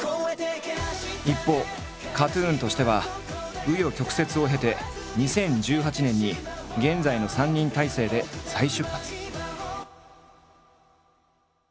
一方ＫＡＴ−ＴＵＮとしては紆余曲折を経て２０１８年に現在の３人体制で再出発。